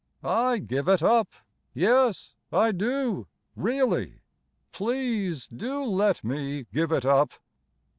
I give it up. Yes, I do really; Please do let me give it up.